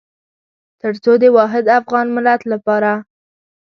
تر څو د واحد افغان ملت لپاره.